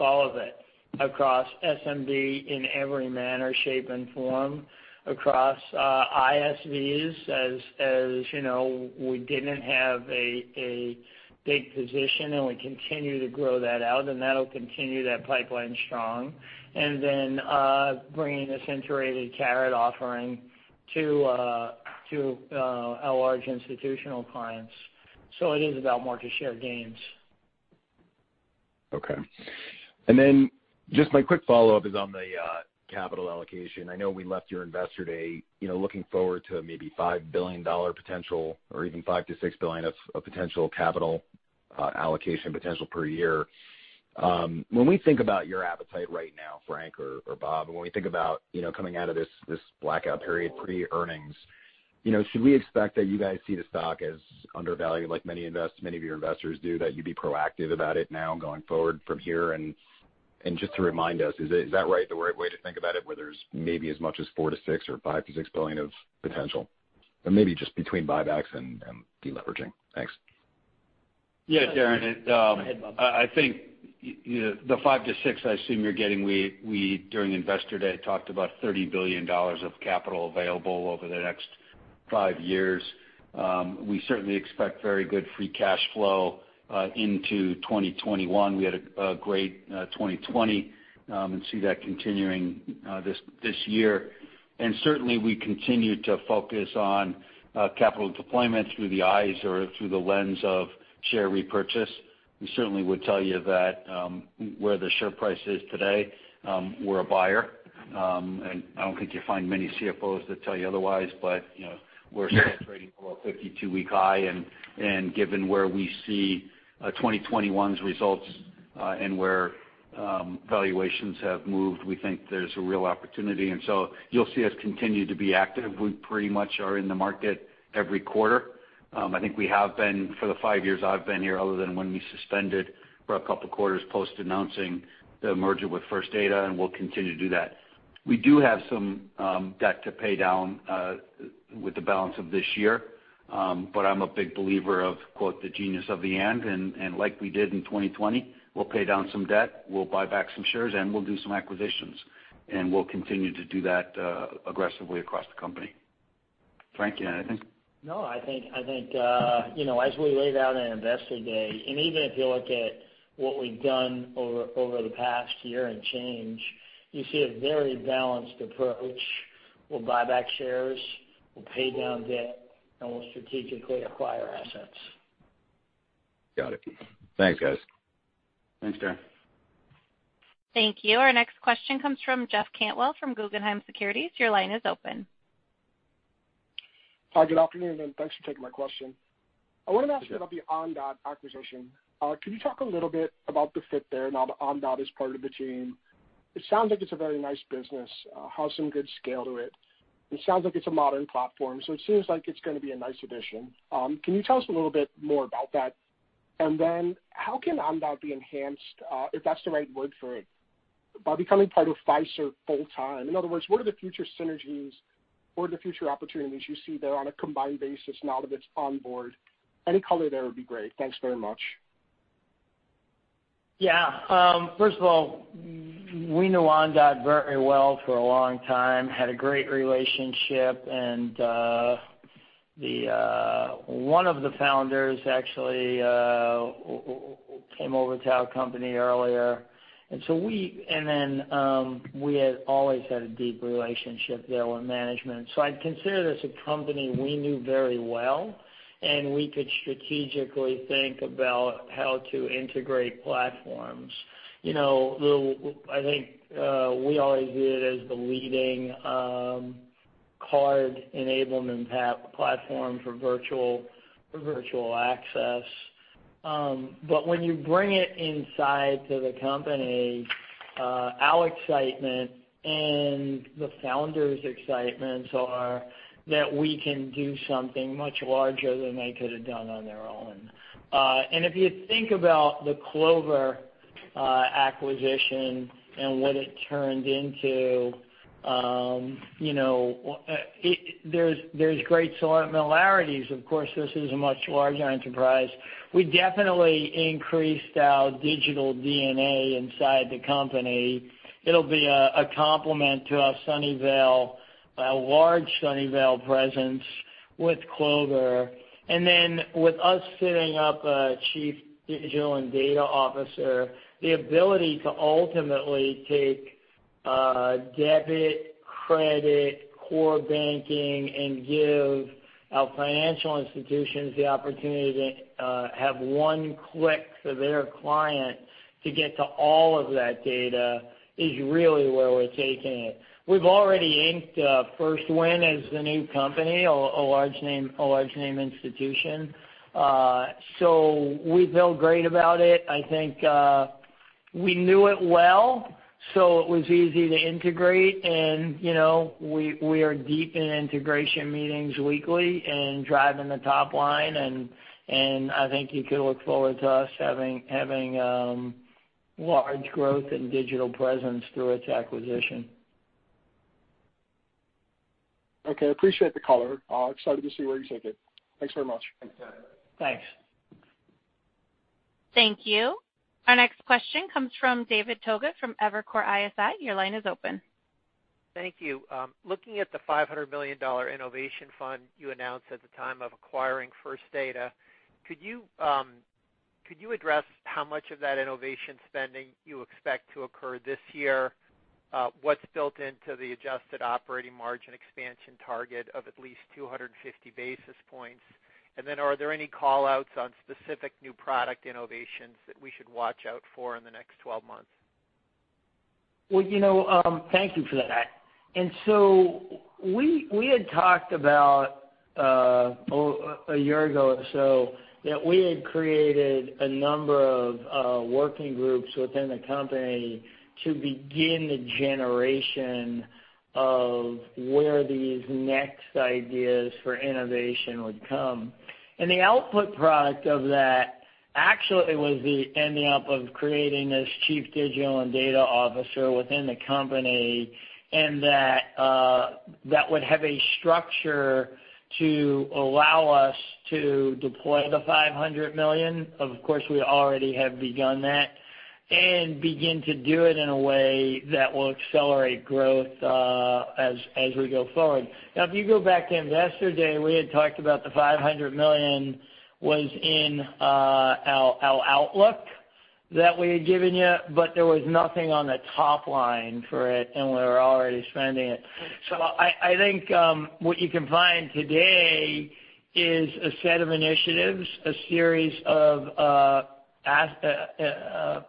all of it, across SMB in every manner, shape, and form, across ISVs, as we didn't have a big position, and we continue to grow that out, and that'll continue that pipeline strong. Bringing the Carat offering to our large institutional clients. It is about market share gains. Okay. Then just my quick follow-up is on the capital allocation. I know we left your Investor Day looking forward to maybe $5 billion potential or even $5 billion-$6 billion of potential capital allocation potential per year. When we think about your appetite right now, Frank or Bob, and when we think about coming out of this blackout period pre-earnings, should we expect that you guys see the stock as undervalued like many of your investors do, that you'd be proactive about it now going forward from here? Just to remind us, is that right the way to think about it, where there's maybe as much as $4 billion-$6 billion or $5 billion-$6 billion of potential? Maybe just between buybacks and deleveraging. Thanks. Yeah, Darrin. Go ahead, Bob. I think the $5 billion-$6 billion, I assume you're getting, we during Investor Day talked about $30 billion of capital available over the next five years. We certainly expect very good free cash flow into 2021. We had a great 2020 and see that continuing this year. Certainly, we continue to focus on capital deployment through the eyes or through the lens of share repurchase. We certainly would tell you that where the share price is today, we're a buyer. I don't think you find many CFOs that tell you otherwise, but we're trading above 52-week high, and given where we see 2021's results and where valuations have moved, we think there's a real opportunity. You'll see us continue to be active. We pretty much are in the market every quarter. I think we have been for the five years I've been here, other than when we suspended for a couple of quarters post-announcing the merger with First Data, and we'll continue to do that. We do have some debt to pay down with the balance of this year. I'm a big believer of, quote, "the genius of the AND," and like we did in 2020, we'll pay down some debt, we'll buy back some shares, and we'll do some acquisitions. We'll continue to do that aggressively across the company. Frank, you have anything? No, I think as we laid out in Investor Day, and even if you look at what we've done over the past year and change, you see a very balanced approach. We'll buy back shares, we'll pay down debt, and we'll strategically acquire assets. Got it. Thanks, guys. Thanks, Darrin. Thank you. Our next question comes from Jeff Cantwell from Guggenheim Securities. Your line is open. Hi, good afternoon, and thanks for taking my question. Sure. I want to ask about the Ondot acquisition. Could you talk a little bit about the fit there now that Ondot is part of the team? It sounds like it's a very nice business, has some good scale to it. It sounds like it's a modern platform. It seems like it's going to be a nice addition. Can you tell us a little bit more about that? How can Ondot be enhanced, if that's the right word for it, by becoming part of Fiserv full time? In other words, what are the future synergies or the future opportunities you see there on a combined basis now that it's on board? Any color there would be great. Thanks very much. First of all, we knew Ondot very well for a long time, had a great relationship. One of the founders actually came over to our company earlier. We had always had a deep relationship there with management. I'd consider this a company we knew very well. We could strategically think about how to integrate platforms. I think we always viewed it as the leading card enablement platform for virtual access. When you bring it inside to the company, our excitement and the founders' excitements are that we can do something much larger than they could have done on their own. If you think about the Clover acquisition and what it turned into, there's great similarities. Of course, this is a much larger enterprise. We definitely increased our digital DNA inside the company. It'll be a complement to our Sunnyvale, our large Sunnyvale presence with Clover. With us setting up a chief digital and data officer, the ability to ultimately take debit, credit, core banking, and give our financial institutions the opportunity to have one click for their client to get to all of that data is really where we're taking it. We've already inked a first win as the new company, a large name institution. We feel great about it. I think we knew it well, it was easy to integrate. We are deep in integration meetings weekly and driving the top line. I think you could look forward to us having large growth in digital presence through its acquisition. Okay. Appreciate the color. Excited to see where you take it. Thanks very much. Thanks. Thank you. Our next question comes from David Togut from Evercore ISI. Your line is open. Thank you. Looking at the $500 million innovation fund you announced at the time of acquiring First Data, could you address how much of that innovation spending you expect to occur this year? What's built into the adjusted operating margin expansion target of at least 250 basis points? Are there any call-outs on specific new product innovations that we should watch out for in the next 12 months? Well, thank you for that. We had talked about, a year ago or so, that we had created a number of working groups within the company to begin the generation of where these next ideas for innovation would come. The output product of that actually was the ending up of creating this chief digital and data officer within the company, and that would have a structure to allow us to deploy the $500 million, of course, we already have begun that, and begin to do it in a way that will accelerate growth as we go forward. If you go back to Investor Day, we had talked about the $500 million was in our outlook that we had given you, but there was nothing on the top line for it, and we were already spending it. I think what you can find today is a set of initiatives, a series of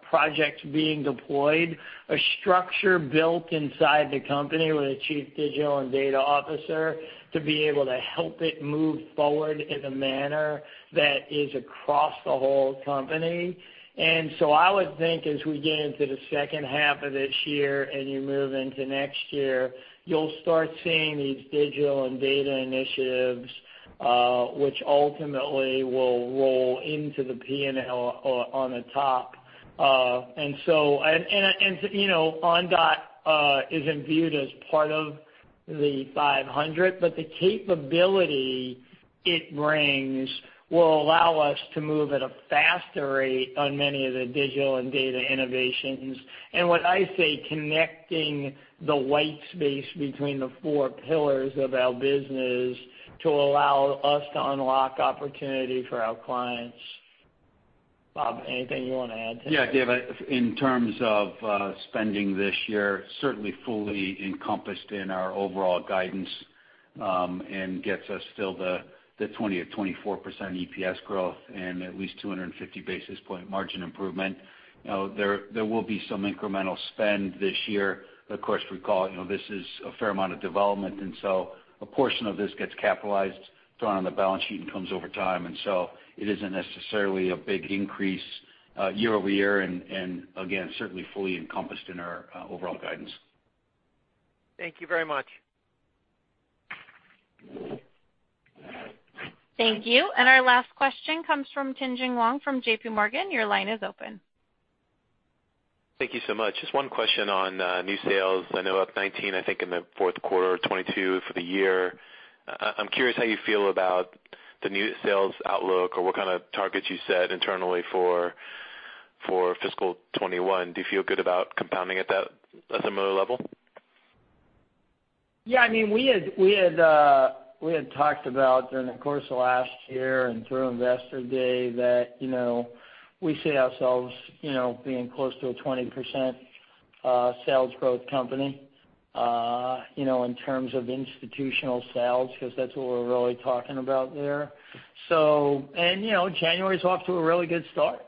projects being deployed. A structure built inside the company with a chief digital and data officer to be able to help it move forward in a manner that is across the whole company. I would think as we get into the second half of this year and you move into next year, you'll start seeing these digital and data initiatives which ultimately will roll into the P&L on the top. Ondot isn't viewed as part of the 500, but the capability it brings will allow us to move at a faster rate on many of the digital and data innovations, connecting the white space between the four pillars of our business to allow us to unlock opportunity for our clients. Bob, anything you want to add to that? Yeah, David, in terms of spending this year, certainly fully encompassed in our overall guidance, gets us still the 20%-24% EPS growth and at least 250 basis point margin improvement. There will be some incremental spend this year. Of course, recall this is a fair amount of development, a portion of this gets capitalized, thrown on the balance sheet, and comes over time. It isn't necessarily a big increase year-over-year, and again, certainly fully encompassed in our overall guidance. Thank you very much. Thank you. Our last question comes from Tien-Tsin Huang from JPMorgan, your line is open. Thank you so much. Just one question on new sales. I know up 19%, I think in the fourth quarter, 22% for the year. I'm curious how you feel about the new sales outlook or what kind of targets you set internally for fiscal 2021. Do you feel good about compounding at that similar level? Yeah. We had talked about during the course of last year and through Investor Day that we see ourselves being close to a 20% sales growth company, in terms of institutional sales, because that's what we're really talking about there. January's off to a really good start.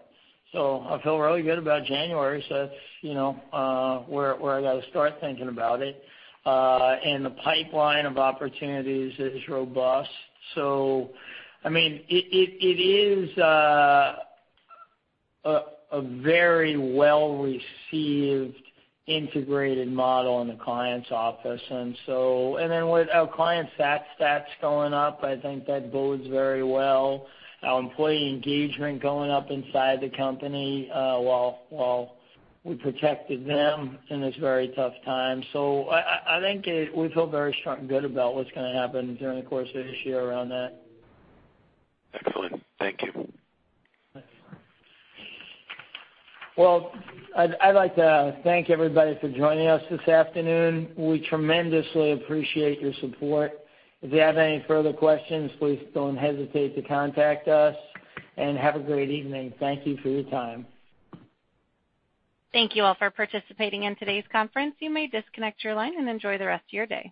I feel really good about January. That's where I got to start thinking about it. The pipeline of opportunities is robust. It is a very well-received integrated model in the client's office. With our client stats going up, I think that bodes very well. Our employee engagement going up inside the company, while we protected them in this very tough time. I think we feel very strong and good about what's going to happen during the course of this year around that. Excellent. Thank you. Thanks. Well, I'd like to thank everybody for joining us this afternoon. We tremendously appreciate your support. If you have any further questions, please don't hesitate to contact us. Have a great evening. Thank you for your time. Thank you all for participating in today's conference. You may disconnect your line and enjoy the rest of your day.